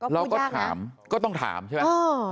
เราก็ถามก็ต้องถามใช่ไหม